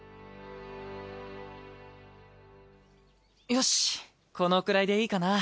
よしこのくらいでいいかな。